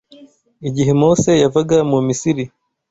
Igihe Mose yavaga mu Misiri